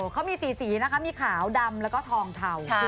เขามี๔สีนะคะมีขาวดำแล้วก็ทองเทา